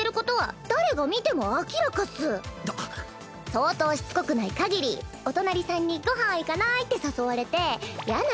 相当しつこくないかぎりお隣さんに「ご飯行かない？」って誘われてやな